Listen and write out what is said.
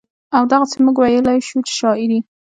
او دغسې مونږ وئيلے شو چې شاعري